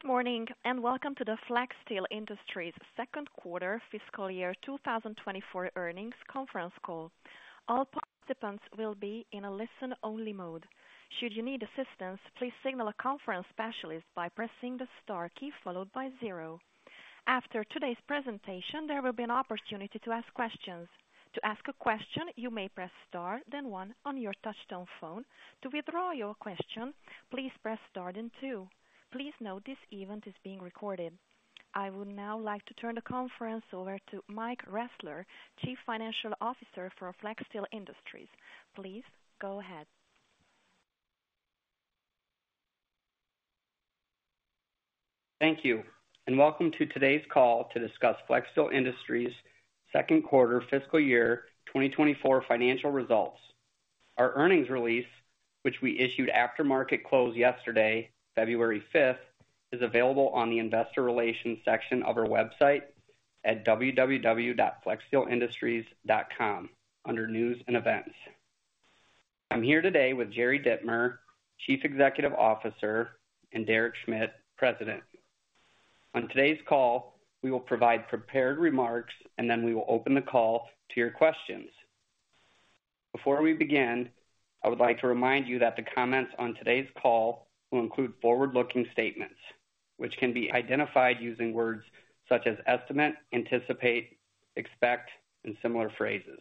Good morning, and welcome to the Flexsteel Industries Second Quarter Fiscal Year 2024 Earnings Conference Call. All participants will be in a listen-only mode. Should you need assistance, please signal a conference specialist by pressing the star key followed by zero. After today's presentation, there will be an opportunity to ask questions. To ask a question, you may press Star, then one on your touchtone phone. To withdraw your question, please press Star then two. Please note this event is being recorded. I would now like to turn the conference over to Mike Ressler, Chief Financial Officer for Flexsteel Industries. Please go ahead. Thank you, and welcome to today's call to discuss Flexsteel Industries' second quarter fiscal year 2024 financial results. Our earnings release, which we issued after market close yesterday, February 5th, is available on the investor relations section of our website at www.flexsteelindustries.com under News and Events. I'm here today with Jerry Dittmer, Chief Executive Officer, and Derek Schmidt, President. On today's call, we will provide prepared remarks, and then we will open the call to your questions. Before we begin, I would like to remind you that the comments on today's call will include forward-looking statements, which can be identified using words such as estimate, anticipate, expect, and similar phrases.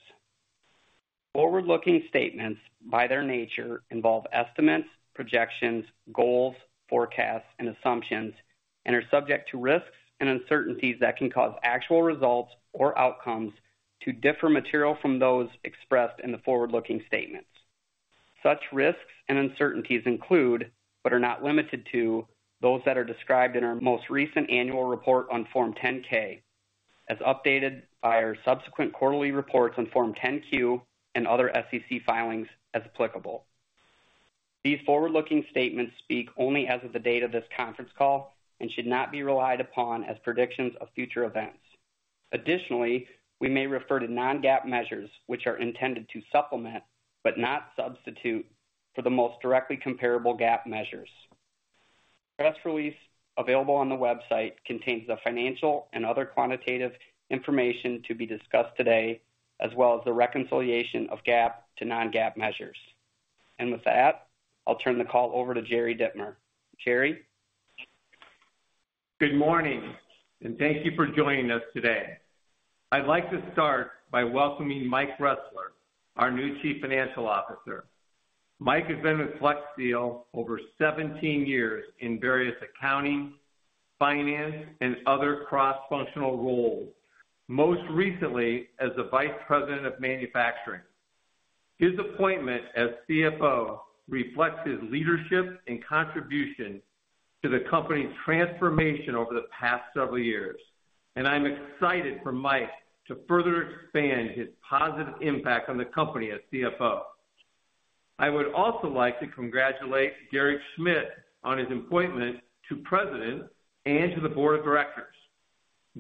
Forward-looking statements, by their nature, involve estimates, projections, goals, forecasts, and assumptions, and are subject to risks and uncertainties that can cause actual results or outcomes to differ materially from those expressed in the forward-looking statements. Such risks and uncertainties include, but are not limited to, those that are described in our most recent annual report on Form 10-K, as updated by our subsequent quarterly reports on Form 10-Q and other SEC filings, as applicable. These forward-looking statements speak only as of the date of this conference call and should not be relied upon as predictions of future events. Additionally, we may refer to non-GAAP measures, which are intended to supplement, but not substitute, for the most directly comparable GAAP measures. Press release available on the website contains the financial and other quantitative information to be discussed today, as well as the reconciliation of GAAP to non-GAAP measures. And with that, I'll turn the call over to Jerry Dittmer. Jerry? Good morning, and thank you for joining us today. I'd like to start by welcoming Mike Ressler, our new Chief Financial Officer. Mike has been with Flexsteel over 17 years in various accounting, finance, and other cross-functional roles, most recently as the Vice President of Manufacturing. His appointment as CFO reflects his leadership and contribution to the company's transformation over the past several years, and I'm excited for Mike to further expand his positive impact on the company as CFO. I would also like to congratulate Derek Schmidt on his appointment to President and to the board of directors.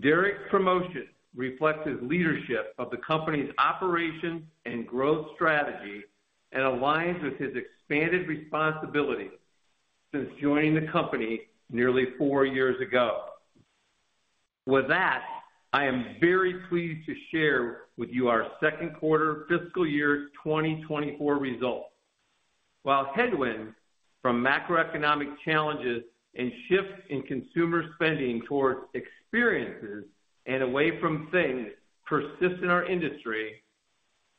Derek's promotion reflects his leadership of the company's operations and growth strategy and aligns with his expanded responsibilities since joining the company nearly 4 years ago. With that, I am very pleased to share with you our second quarter fiscal year 2024 results. While headwinds from macroeconomic challenges and shifts in consumer spending towards experiences and away from things persist in our industry,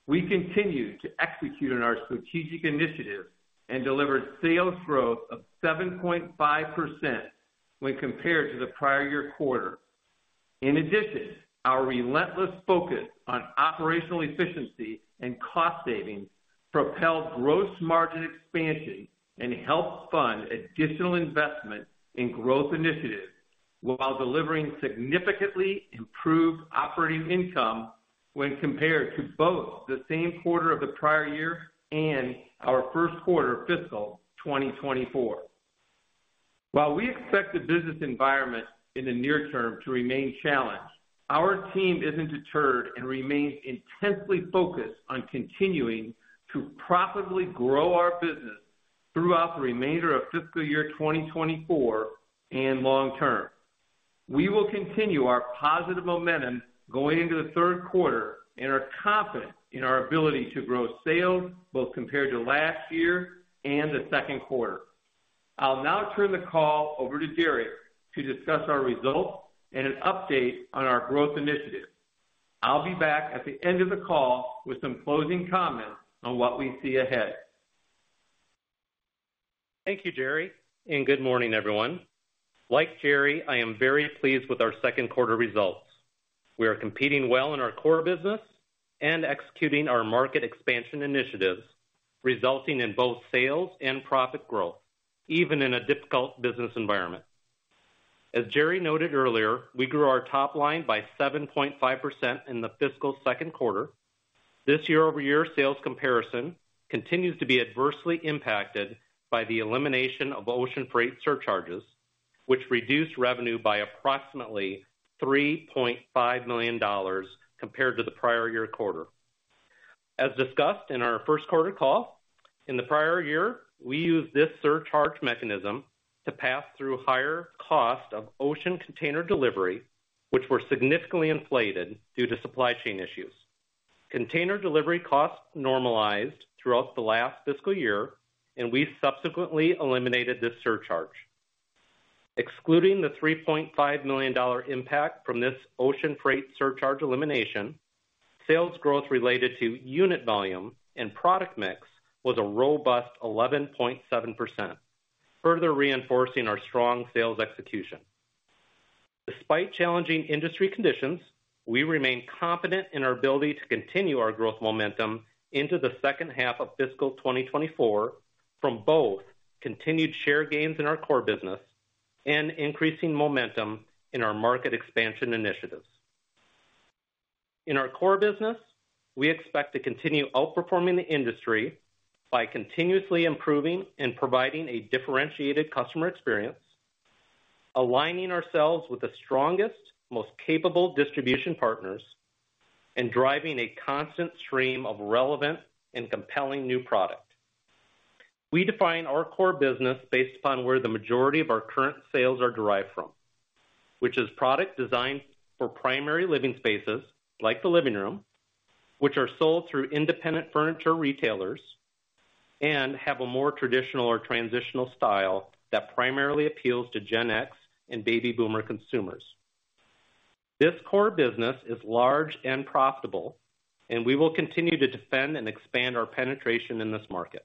we continued to execute on our strategic initiatives and delivered sales growth of 7.5% when compared to the prior year quarter. In addition, our relentless focus on operational efficiency and cost savings propelled gross margin expansion and helped fund additional investment in growth initiatives while delivering significantly improved operating income when compared to both the same quarter of the prior year and our first quarter fiscal 2024. While we expect the business environment in the near term to remain challenged, our team isn't deterred and remains intensely focused on continuing to profitably grow our business throughout the remainder of fiscal year 2024 and long term. We will continue our positive momentum going into the third quarter and are confident in our ability to grow sales, both compared to last year and the second quarter. I'll now turn the call over to Derek to discuss our results and an update on our growth initiatives. I'll be back at the end of the call with some closing comments on what we see ahead. Thank you, Jerry, and good morning, everyone. Like Jerry, I am very pleased with our second quarter results. We are competing well in our core business and executing our market expansion initiatives, resulting in both sales and profit growth, even in a difficult business environment. As Jerry noted earlier, we grew our top line by 7.5% in the fiscal second quarter. This year-over-year sales comparison continues to be adversely impacted by the elimination of ocean freight surcharges, which reduced revenue by approximately $3.5 million compared to the prior year quarter. As discussed in our first quarter call, in the prior year, we used this surcharge mechanism to pass through higher cost of ocean container delivery, which were significantly inflated due to supply chain issues. Container delivery costs normalized throughout the last fiscal year, and we subsequently eliminated this surcharge. Excluding the $3.5 million impact from this ocean freight surcharge elimination, sales growth related to unit volume and product mix was a robust 11.7%, further reinforcing our strong sales execution. Despite challenging industry conditions, we remain confident in our ability to continue our growth momentum into the second half of fiscal year 2024 from both continued share gains in our core business and increasing momentum in our market expansion initiatives. In our core business, we expect to continue outperforming the industry by continuously improving and providing a differentiated customer experience, aligning ourselves with the strongest, most capable distribution partners, and driving a constant stream of relevant and compelling new product. We define our core business based upon where the majority of our current sales are derived from, which is product designed for primary living spaces, like the living room, which are sold through independent furniture retailers and have a more traditional or transitional style that primarily appeals to Gen X and baby boomer consumers. This core business is large and profitable, and we will continue to defend and expand our penetration in this market.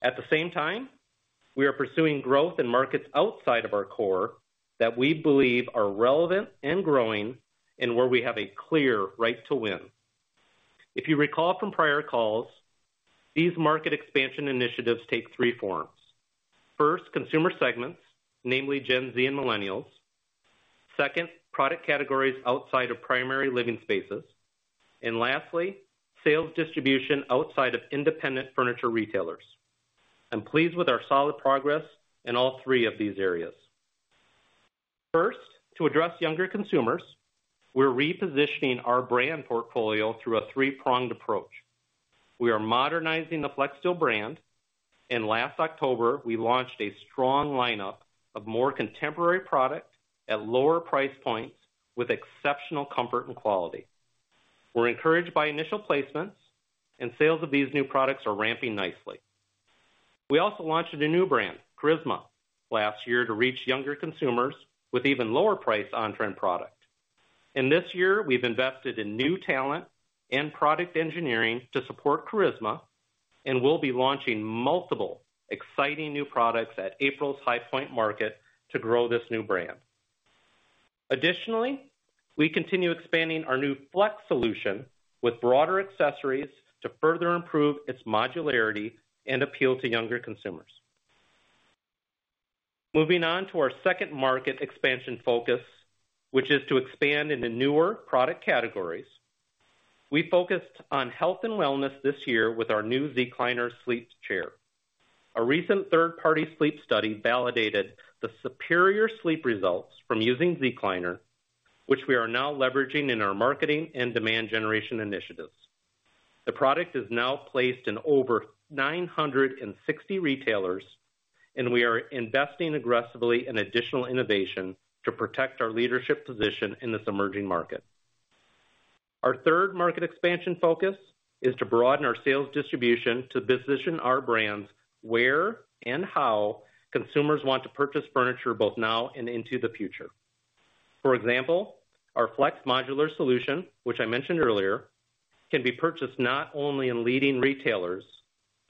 At the same time, we are pursuing growth in markets outside of our core that we believe are relevant and growing, and where we have a clear right to win. If you recall from prior calls, these market expansion initiatives take three forms. First, consumer segments, namely Gen Z and millennials. Second, product categories outside of primary living spaces. And lastly, sales distribution outside of independent furniture retailers. I'm pleased with our solid progress in all three of these areas. First, to address younger consumers, we're repositioning our brand portfolio through a three-pronged approach. We are modernizing the Flexsteel brand, and last October, we launched a strong lineup of more contemporary product at lower price points with exceptional comfort and quality. We're encouraged by initial placements, and sales of these new products are ramping nicely. We also launched a new brand, Charisma, last year, to reach younger consumers with even lower priced on-trend product. This year, we've invested in new talent and product engineering to support Charisma, and we'll be launching multiple exciting new products at April's High Point Market to grow this new brand. Additionally, we continue expanding our new Flex solution with broader accessories to further improve its modularity and appeal to younger consumers. Moving on to our second market expansion focus, which is to expand into newer product categories. We focused on health and wellness this year with our new Zecliner sleep chair. A recent third-party sleep study validated the superior sleep results from using Zecliner, which we are now leveraging in our marketing and demand generation initiatives. The product is now placed in over 960 retailers, and we are investing aggressively in additional innovation to protect our leadership position in this emerging market. Our third market expansion focus is to broaden our sales distribution to position our brands where and how consumers want to purchase furniture, both now and into the future. For example, our Flex modular solution, which I mentioned earlier, can be purchased not only in leading retailers,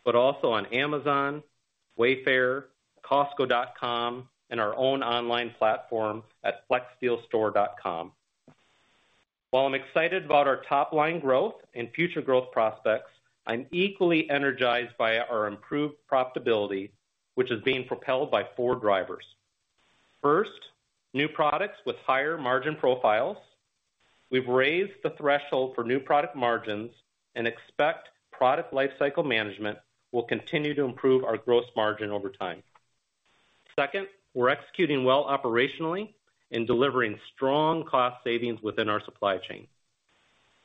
but also on Amazon, Wayfair, Costco.com, and our own online platform at flexsteelstore.com. While I'm excited about our top-line growth and future growth prospects, I'm equally energized by our improved profitability, which is being propelled by four drivers. First, new products with higher margin profiles. We've raised the threshold for new product margins and expect product lifecycle management will continue to improve our gross margin over time. Second, we're executing well operationally and delivering strong cost savings within our supply chain.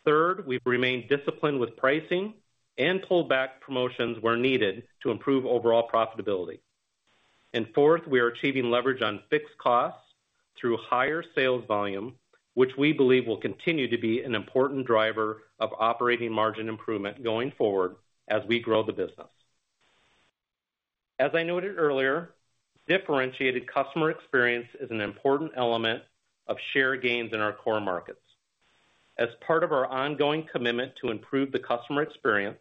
Third, we've remained disciplined with pricing and pulled back promotions where needed to improve overall profitability. And fourth, we are achieving leverage on fixed costs through higher sales volume, which we believe will continue to be an important driver of operating margin improvement going forward as we grow the business. As I noted earlier, differentiated customer experience is an important element of share gains in our core markets. As part of our ongoing commitment to improve the customer experience,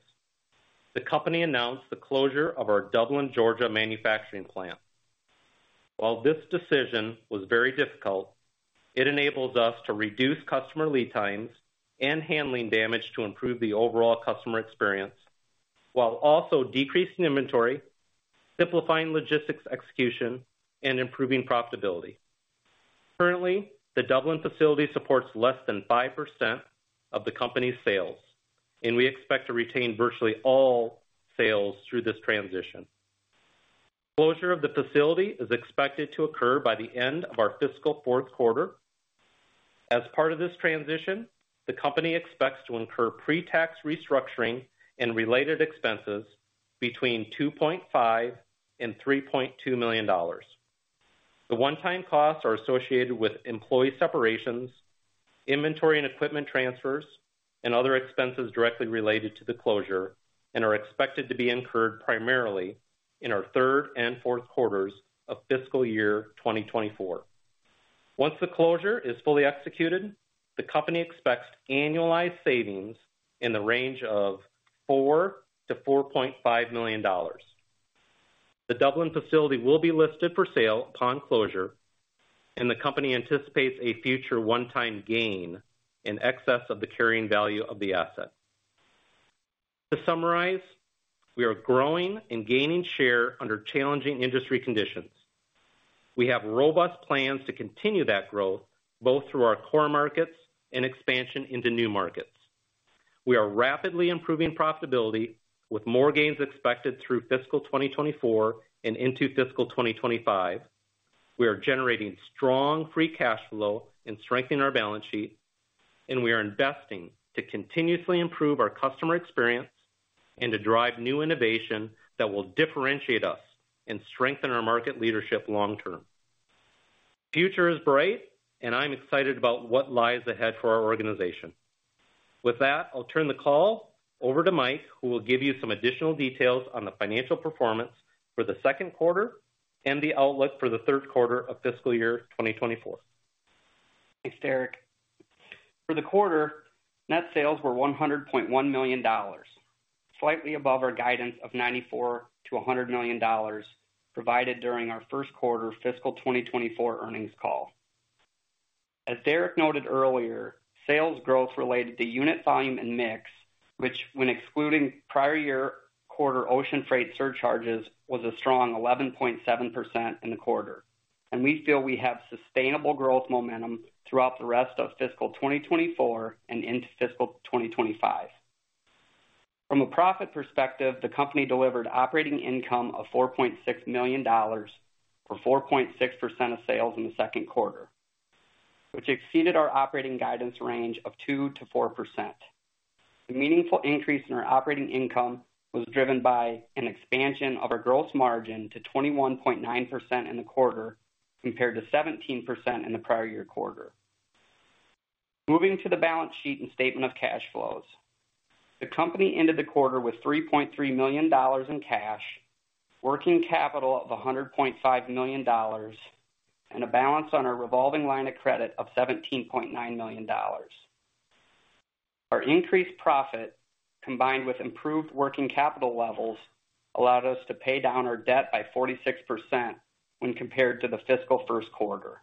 the company announced the closure of our Dublin, Georgia, manufacturing plant. While this decision was very difficult, it enables us to reduce customer lead times and handling damage to improve the overall customer experience, while also decreasing inventory, simplifying logistics execution, and improving profitability. Currently, the Dublin facility supports less than 5% of the company's sales, and we expect to retain virtually all sales through this transition. Closure of the facility is expected to occur by the end of our fiscal fourth quarter. As part of this transition, the company expects to incur pre-tax restructuring and related expenses between $2.5 million and $3.2 million. The one-time costs are associated with employee separations, inventory and equipment transfers, and other expenses directly related to the closure, and are expected to be incurred primarily in our third and fourth quarters of fiscal year 2024. Once the closure is fully executed, the company expects annualized savings in the range of $4 million-$4.5 million. The Dublin facility will be listed for sale upon closure, and the company anticipates a future one-time gain in excess of the carrying value of the asset. To summarize, we are growing and gaining share under challenging industry conditions. We have robust plans to continue that growth, both through our core markets and expansion into new markets. We are rapidly improving profitability with more gains expected through fiscal year 2024 and into fiscal year 2025. We are generating strong free cash flow and strengthening our balance sheet, and we are investing to continuously improve our customer experience and to drive new innovation that will differentiate us and strengthen our market leadership long term. Future is bright, and I'm excited about what lies ahead for our organization. With that, I'll turn the call over to Mike, who will give you some additional details on the financial performance for the second quarter and the outlook for the third quarter of fiscal year 2024. Thanks, Derek. For the quarter, net sales were $100.1 million, slightly above our guidance of $94 million-$100 million provided during our first quarter fiscal 2024 earnings call. As Derek noted earlier, sales growth related to unit volume and mix, which, when excluding prior year quarter ocean freight surcharges, was a strong 11.7% in the quarter, and we feel we have sustainable growth momentum throughout the rest of fiscal year 2024 and into fiscal year 2025. From a profit perspective, the company delivered operating income of $4.6 million, or 4.6% of sales in the second quarter, which exceeded our operating guidance range of 2%-4%. The meaningful increase in our operating income was driven by an expansion of our gross margin to 21.9% in the quarter, compared to 17% in the prior year quarter. Moving to the balance sheet and statement of cash flows. The company ended the quarter with $3.3 million in cash, working capital of $100.5 million, and a balance on our revolving line of credit of $17.9 million. Our increased profit, combined with improved working capital levels, allowed us to pay down our debt by 46% when compared to the fiscal first quarter.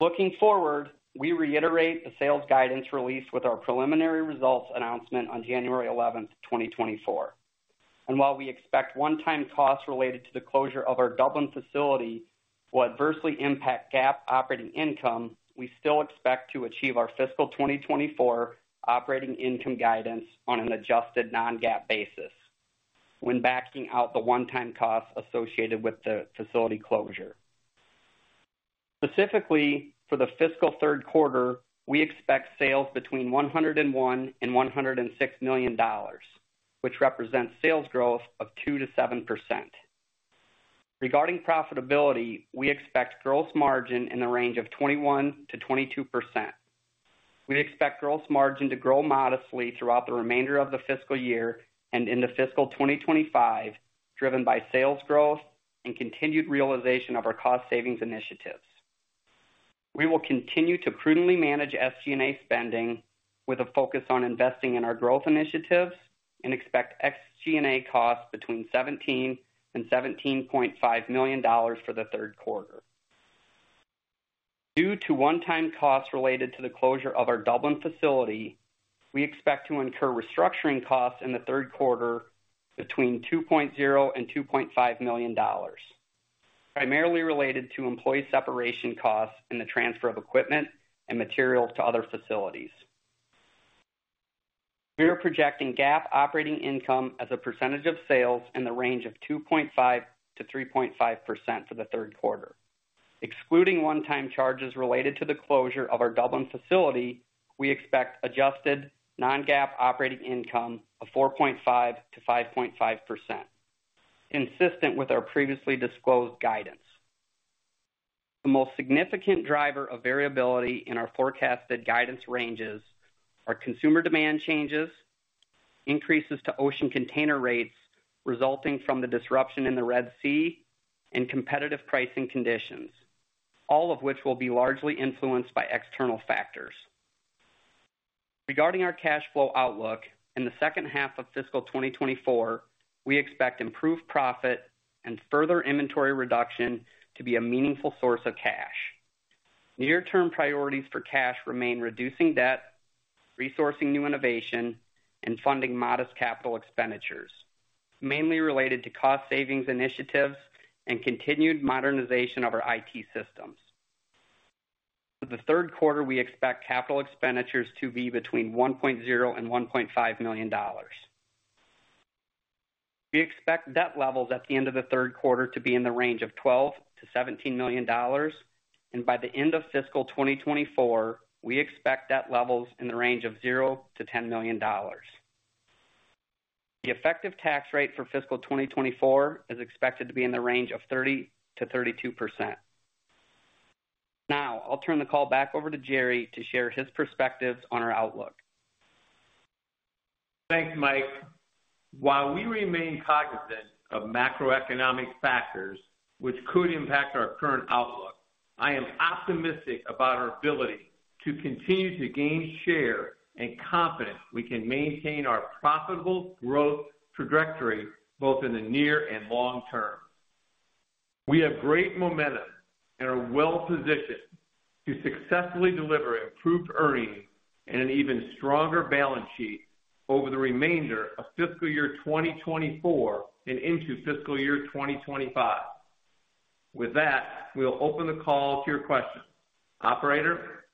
Looking forward, we reiterate the sales guidance released with our preliminary results announcement on January 11th, 2024. While we expect one-time costs related to the closure of our Dublin facility will adversely impact GAAP operating income, we still expect to achieve our fiscal 2024 operating income guidance on an adjusted non-GAAP basis when backing out the one-time costs associated with the facility closure. Specifically, for the fiscal third quarter, we expect sales between $101 million and $106 million, which represents sales growth of 2%-7%. Regarding profitability, we expect gross margin in the range of 21%-22%. We expect gross margin to grow modestly throughout the remainder of the fiscal year and into fiscal 2025, driven by sales growth and continued realization of our cost savings initiatives. We will continue to prudently manage SG&A spending with a focus on investing in our growth initiatives and expect SG&A costs between $17 million and $17.5 million for the third quarter. Due to one-time costs related to the closure of our Dublin facility, we expect to incur restructuring costs in the third quarter between $2.0 million and $2.5 million, primarily related to employee separation costs and the transfer of equipment and material to other facilities. We are projecting GAAP operating income as a percentage of sales in the range of 2.5%-3.5% for the third quarter. Excluding one-time charges related to the closure of our Dublin facility, we expect adjusted non-GAAP operating income of 4.5%-5.5%, consistent with our previously disclosed guidance. The most significant driver of variability in our forecasted guidance ranges are consumer demand changes, increases to ocean container rates resulting from the disruption in the Red Sea, and competitive pricing conditions, all of which will be largely influenced by external factors. Regarding our cash flow outlook, in the second half of fiscal 2024, we expect improved profit and further inventory reduction to be a meaningful source of cash. Near-term priorities for cash remain reducing debt, resourcing new innovation, and funding modest capital expenditures, mainly related to cost savings initiatives and continued modernization of our IT systems. For the third quarter, we expect capital expenditures to be between $1.0 million and $1.5 million. We expect debt levels at the end of the third quarter to be in the range of $12 million-$17 million, and by the end of fiscal 2024, we expect debt levels in the range of $0-$10 million. The effective tax rate for fiscal 2024 is expected to be in the range of 30%-32%. Now, I'll turn the call back over to Jerry to share his perspectives on our outlook. Thanks, Mike. While we remain cognizant of macroeconomic factors which could impact our current outlook, I am optimistic about our ability to continue to gain share and confident we can maintain our profitable growth trajectory both in the near and long term. We have great momentum and are well positioned to successfully deliver improved earnings and an even stronger balance sheet over the remainder of fiscal year 2024 and into fiscal year 2025. With that, we'll open the call to your questions. Operator?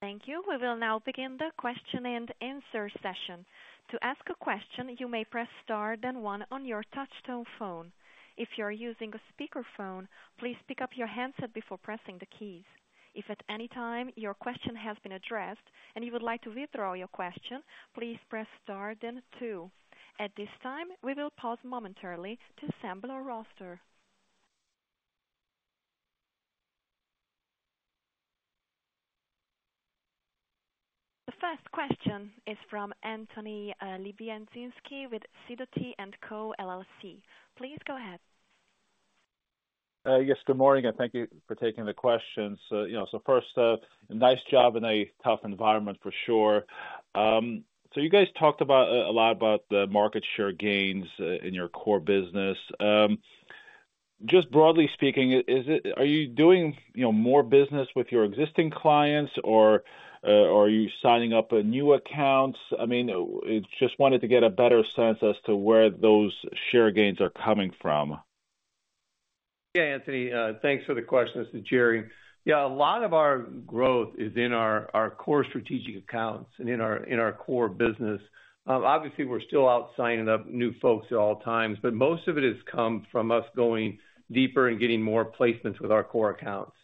Thank you. We will now begin the question and answer session. To ask a question, you may press Star, then One on your touchtone phone. If you're using a speakerphone, please pick up your handset before pressing the keys. If at any time your question has been addressed and you would like to withdraw your question, please press Star then Two. At this time, we will pause momentarily to assemble our roster. The first question is from Anthony Lebiedzinski with Sidoti & Co, LLC. Please go ahead. Yes, good morning, and thank you for taking the questions. So, you know, first, nice job in a tough environment for sure. So you guys talked about a lot about the market share gains in your core business. Just broadly speaking, are you doing, you know, more business with your existing clients, or are you signing up new accounts? I mean, just wanted to get a better sense as to where those share gains are coming from. Yeah, Anthony, thanks for the question. This is Jerry. Yeah, a lot of our growth is in our core strategic accounts and in our core business. Obviously, we're still out signing up new folks at all times, but most of it has come from us going deeper and getting more placements with our core accounts.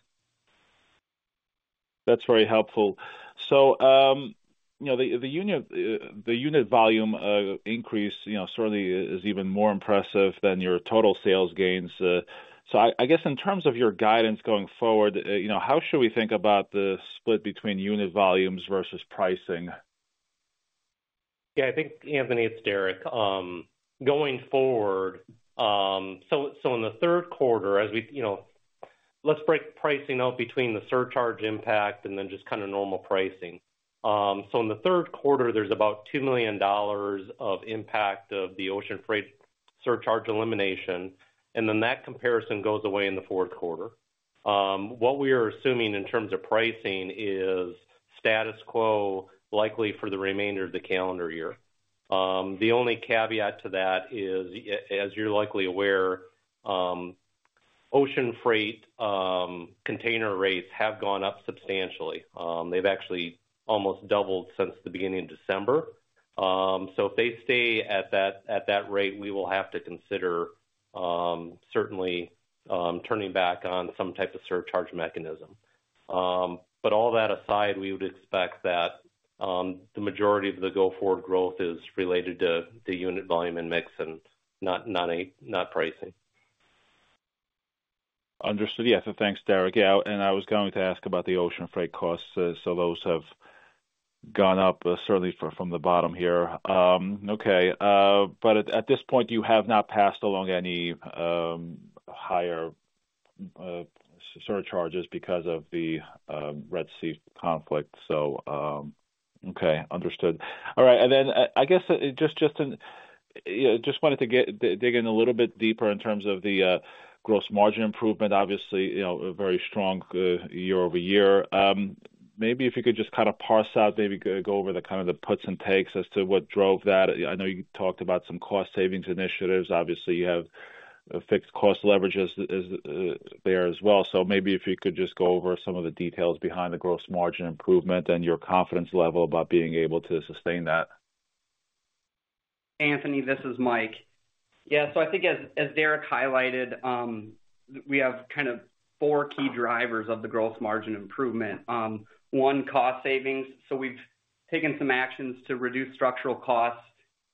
That's very helpful. So, you know, the unit volume increase, you know, certainly is even more impressive than your total sales gains. So I guess in terms of your guidance going forward, you know, how should we think about the split between unit volumes versus pricing? Yeah, I think, Anthony, it's Derek. Going forward, so in the third quarter, as we... You know, let's break pricing out between the surcharge impact and then just kind of normal pricing. So in the third quarter, there's about $2 million of impact of the ocean freight surcharge elimination, and then that comparison goes away in the fourth quarter. What we are assuming in terms of pricing is status quo, likely for the remainder of the calendar year. The only caveat to that is, as you're likely aware, ocean freight container rates have gone up substantially. They've actually almost doubled since the beginning of December. So if they stay at that, at that rate, we will have to consider, certainly, turning back on some type of surcharge mechanism. But all that aside, we would expect that the majority of the go-forward growth is related to the unit volume and mix and not pricing. Understood. Yeah, so thanks, Derek. Yeah, and I was going to ask about the ocean freight costs. So those have gone up, certainly from the bottom here. Okay, but at this point, you have not passed along any higher surcharges because of the Red Sea conflict. So, okay, understood. All right. And then I guess just wanted to dig in a little bit deeper in terms of the gross margin improvement. Obviously, you know, a very strong year over year. Maybe if you could just kind of parse out, maybe go over the kind of the puts and takes as to what drove that. I know you talked about some cost savings initiatives. Obviously, you have fixed cost leverages is there as well. Maybe if you could just go over some of the details behind the gross margin improvement and your confidence level about being able to sustain that? Anthony, this is Mike. Yeah, so I think as Derek highlighted, we have kind of four key drivers of the gross margin improvement. One, cost savings. So we've taken some actions to reduce structural costs.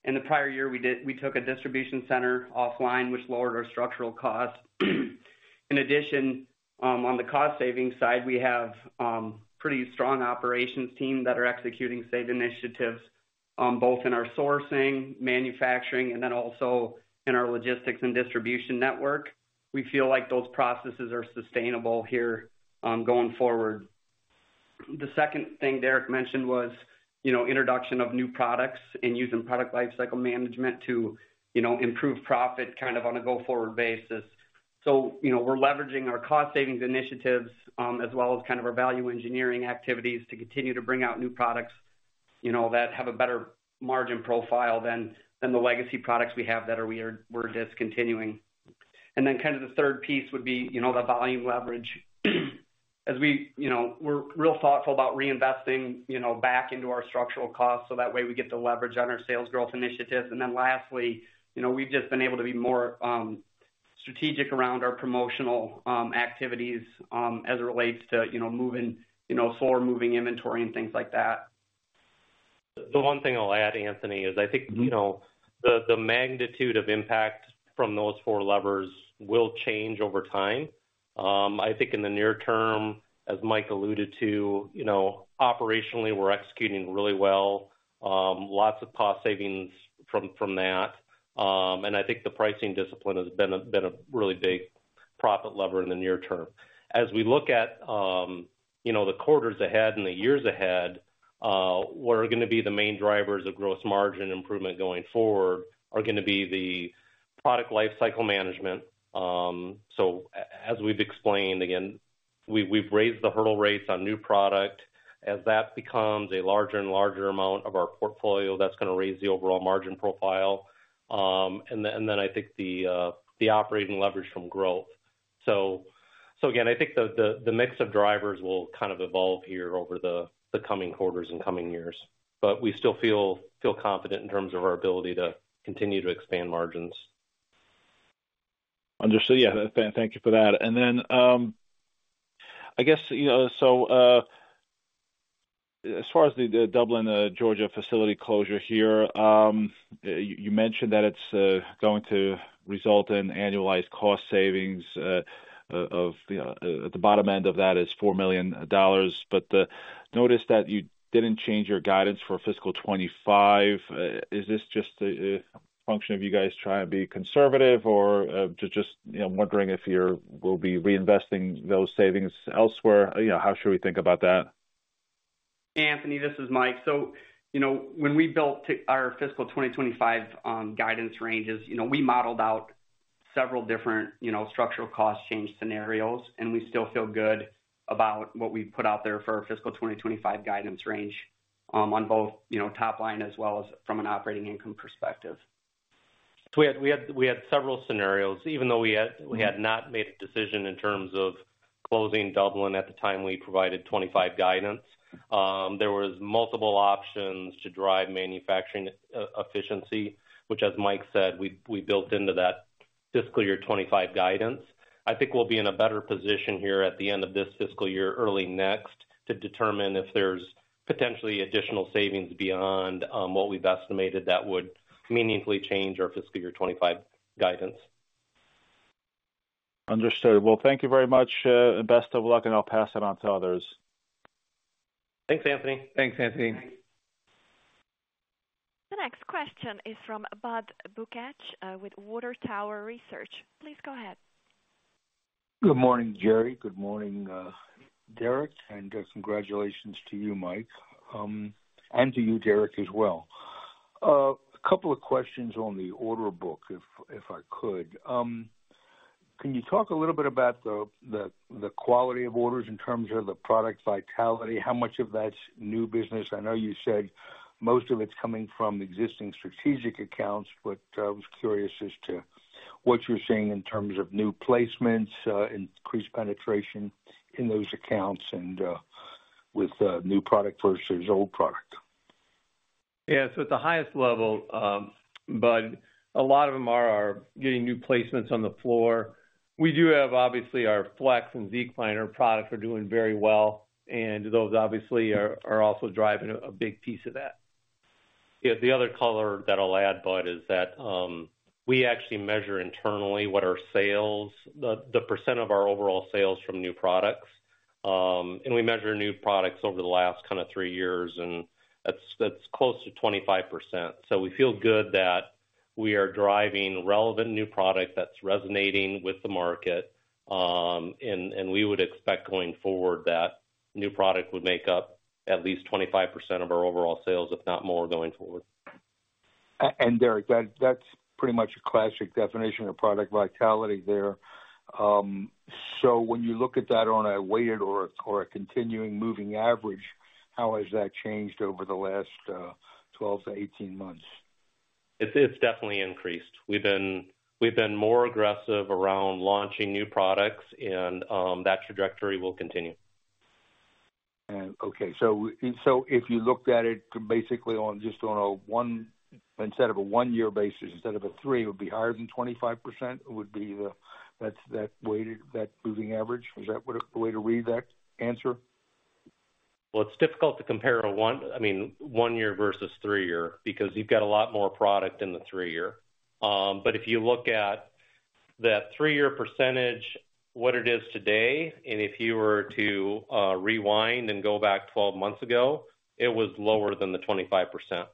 In the prior year, we did, we took a distribution center offline, which lowered our structural costs. In addition, on the cost savings side, we have pretty strong operations team that are executing save initiatives, both in our sourcing, manufacturing, and then also in our logistics and distribution network. We feel like those processes are sustainable here, going forward. The second thing Derek mentioned was, you know, introduction of new products and using product lifecycle management to, you know, improve profit kind of on a go-forward basis. So, you know, we're leveraging our cost savings initiatives, as well as kind of our value engineering activities to continue to bring out new products. You know, that have a better margin profile than the legacy products we have that we're discontinuing. And then kind of the third piece would be, you know, the volume leverage. As we, you know, we're real thoughtful about reinvesting, you know, back into our structural costs, so that way we get the leverage on our sales growth initiatives. And then lastly, you know, we've just been able to be more strategic around our promotional activities, as it relates to, you know, moving, you know, slower moving inventory and things like that. The one thing I'll add, Anthony, is I think, you know, the magnitude of impact from those four levers will change over time. I think in the near term, as Mike alluded to, you know, operationally, we're executing really well. Lots of cost savings from that. And I think the pricing discipline has been a really big profit lever in the near term. As we look at, you know, the quarters ahead and the years ahead, what are gonna be the main drivers of gross margin improvement going forward are gonna be the product lifecycle management. So as we've explained, again, we've raised the hurdle rates on new product. As that becomes a larger and larger amount of our portfolio, that's gonna raise the overall margin profile. I think the operating leverage from growth. Again, I think the mix of drivers will kind of evolve here over the coming quarters and coming years. But we still feel confident in terms of our ability to continue to expand margins. Understood. Yeah, thank you for that. And then, I guess, you know, so, as far as the Dublin, Georgia, facility closure here, you mentioned that it's going to result in annualized cost savings of, the bottom end of that is $4 million, but noticed that you didn't change your guidance for fiscal 2025. Is this just a function of you guys trying to be conservative or just, you know, wondering if you will be reinvesting those savings elsewhere? You know, how should we think about that? Anthony, this is Mike. So, you know, when we built our fiscal 2025 guidance ranges, you know, we modeled out several different, you know, structural cost change scenarios, and we still feel good about what we've put out there for our fiscal 2025 guidance range, on both, you know, top line as well as from an operating income perspective. So we had several scenarios, even though we had not made a decision in terms of closing Dublin at the time we provided 25 guidance. There was multiple options to drive manufacturing efficiency, which, as Mike said, we built into that fiscal year 2025 guidance. I think we'll be in a better position here at the end of this fiscal year, early next, to determine if there's potentially additional savings beyond what we've estimated, that would meaningfully change our fiscal year 2025 guidance. Understood. Well, thank you very much. Best of luck, and I'll pass it on to others. Thanks, Anthony. Thanks, Anthony. The next question is from Budd Bugatch, with Water Tower Research. Please go ahead. Good morning, Jerry. Good morning, Derek, and congratulations to you, Mike, and to you, Derek, as well. A couple of questions on the order book, if I could. Can you talk a little bit about the quality of orders in terms of the product vitality? How much of that's new business? I know you said most of it's coming from existing strategic accounts, but I was curious as to what you're seeing in terms of new placements, increased penetration in those accounts and with new product versus old product. Yeah, so at the highest level, Budd, a lot of them are getting new placements on the floor. We do have, obviously, our Flex and Zecliner products are doing very well, and those obviously are also driving a big piece of that. Yeah, the other color that I'll add, Budd, is that we actually measure internally what our sales... The percent of our overall sales from new products. And we measure new products over the last kind of three years, and that's close to 25%. So we feel good that we are driving relevant new product that's resonating with the market, and we would expect going forward that new product would make up at least 25% of our overall sales, if not more, going forward. And Derek, that's pretty much a classic definition of product vitality there. So when you look at that on a weighted or continuing moving average, how has that changed over the last 12-18 months? It's definitely increased. We've been more aggressive around launching new products and that trajectory will continue. Okay, so, so if you looked at it basically on just on a one-year basis instead of a three, it would be higher than 25%? It would be the... That's that weighted, that moving average. Is that what, the way to read that answer? Well, it's difficult to compare a one, I mean, one year versus three year, because you've got a lot more product in the three year. But if you look at that three-year percentage, what it is today, and if you were to rewind and go back 12 months ago, it was lower than the 25%.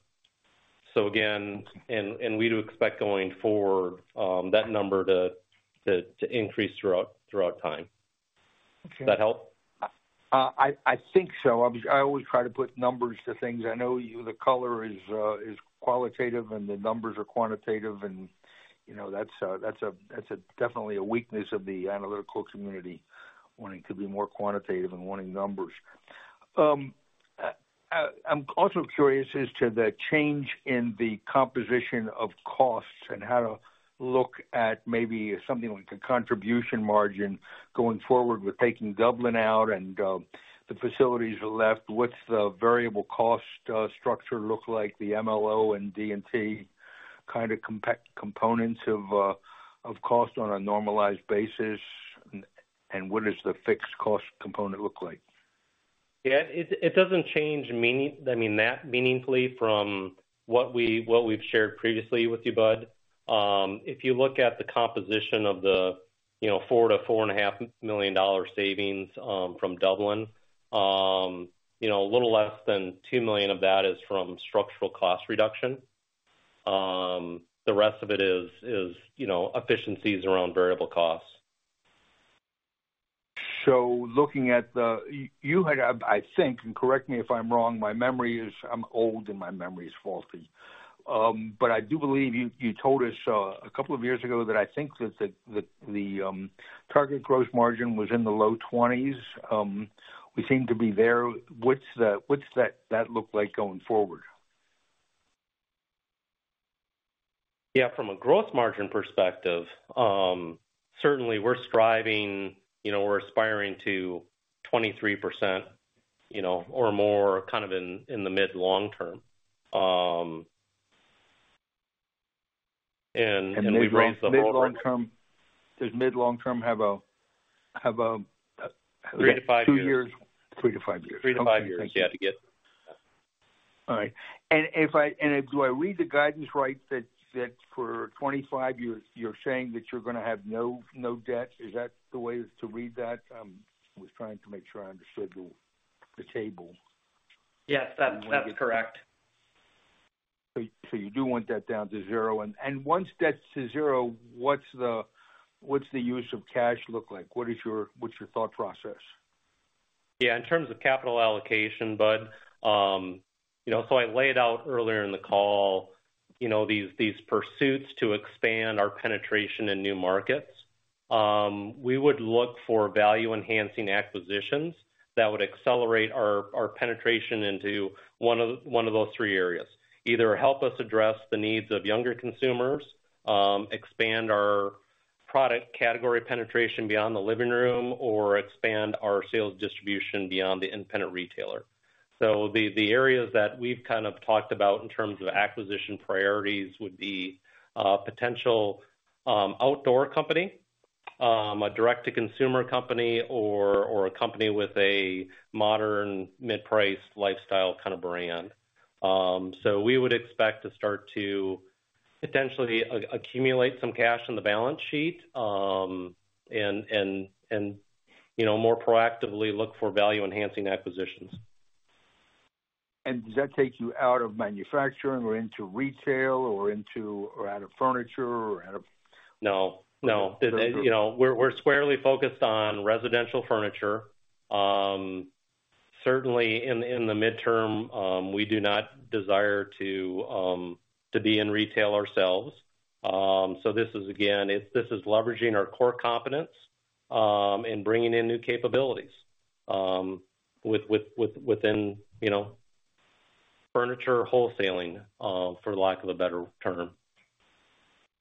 So again, and we do expect going forward that number to increase throughout time. Okay. Does that help? I think so. I always try to put numbers to things. I know you, the color is qualitative, and the numbers are quantitative, and you know, that's definitely a weakness of the analytical community, wanting to be more quantitative and wanting numbers. I'm also curious as to the change in the composition of costs and how to look at maybe something like the contribution margin going forward with taking Dublin out and the facilities left. What's the variable cost structure look like, the MLO and DNT kind of components of cost on a normalized basis, and what does the fixed cost component look like? Yeah, it doesn't change—I mean, that meaningfully from what we've shared previously with you, Budd. If you look at the composition of the $4 million-$4.5 million savings from Dublin, you know, a little less than $2 million of that is from structural cost reduction. The rest of it is, you know, efficiencies around variable costs. So looking at the, you had, I think, and correct me if I'm wrong, my memory is, I'm old and my memory is faulty. But I do believe you told us a couple of years ago that I think that the target growth margin was in the low twenties. We seem to be there. What's that look like going forward? Yeah, from a growth margin perspective, certainly we're striving, you know, we're aspiring to 23%, you know, or more, kind of in the mid-long term, and we've raised the bar- Mid-long term. Does mid-long term have a- three to five years. two years. three to five years. three to five years, yeah, to get. All right. And if do I read the guidance right, that for 25 years, you're saying that you're gonna have no debt? Is that the way to read that? I was trying to make sure I understood the table. Yes, that's correct. So you do want that down to zero. And once that's to zero, what's the use of cash look like? What's your thought process? Yeah, in terms of capital allocation, Budd, you know, so I laid out earlier in the call, you know, these, these pursuits to expand our penetration in new markets. We would look for value-enhancing acquisitions that would accelerate our, our penetration into one of, one of those three areas: either help us address the needs of younger consumers, expand our product category penetration beyond the living room, or expand our sales distribution beyond the independent retailer. So the, the areas that we've kind of talked about in terms of acquisition priorities would be, potential, outdoor company, a direct-to-consumer company or, or a company with a modern, mid-priced, lifestyle kind of brand. So we would expect to start to potentially accumulate some cash on the balance sheet, and, you know, more proactively look for value-enhancing acquisitions. Does that take you out of manufacturing or into retail, or into, or out of furniture, or out of? No, no. You know, we're squarely focused on residential furniture. Certainly in the midterm, we do not desire to be in retail ourselves. So this is again leveraging our core competence, and bringing in new capabilities, within, you know, furniture wholesaling, for lack of a better term.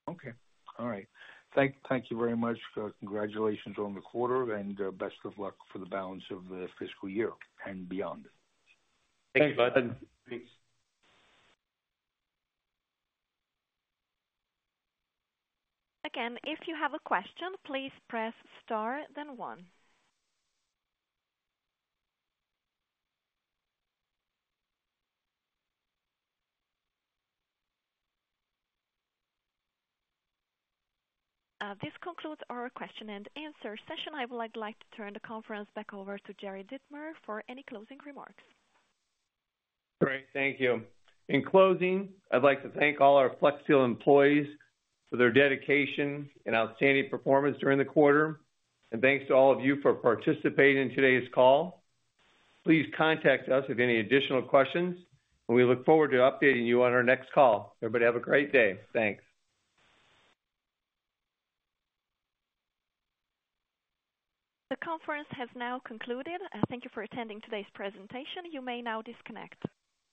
Okay. All right. Thank, thank you very much. Congratulations on the quarter, and best of luck for the balance of the fiscal year and beyond. Thanks, Budd. Thanks. Again, if you have a question, please press star, then one. This concludes our question and answer session. I would like to turn the conference back over to Jerry Dittmer for any closing remarks. Great, thank you. In closing, I'd like to thank all our Flexsteel employees for their dedication and outstanding performance during the quarter. Thanks to all of you for participating in today's call. Please contact us with any additional questions, and we look forward to updating you on our next call. Everybody, have a great day. Thanks. The conference has now concluded. Thank you for attending today's presentation. You may now disconnect.